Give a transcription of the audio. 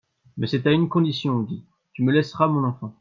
Mais c'est à une condition, Guy, tu me laisseras mon enfant.